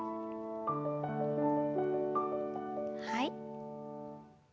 はい。